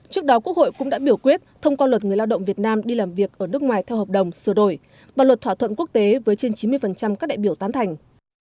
trước đó quốc hội cũng đã biểu quyết thông qua luật người lao động việt nam đi làm việc ở nước ngoài theo hợp đồng sửa đổi và luật thỏa thuận quốc tế với trên chín mươi các đại biểu tán thành